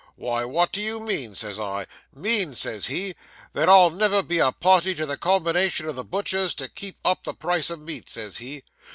"Why, what do you mean?" says I. "Mean!" says he. "That I'll never be a party to the combination o' the butchers, to keep up the price o' meat," says he.